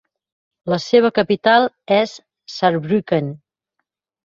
La seva capital és Saarbrücken.